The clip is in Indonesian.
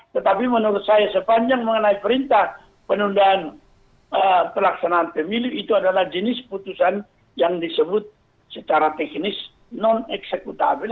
tetapi menurut saya sepanjang mengenai perintah penundaan pelaksanaan pemilu itu adalah jenis putusan yang disebut secara teknis non eksekutabil